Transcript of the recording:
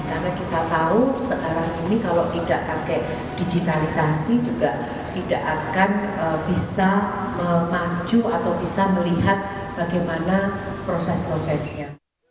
karena kita tahu sekarang ini kalau tidak pakai digitalisasi juga tidak akan bisa memaju atau bisa melihat bagaimana proses prosesnya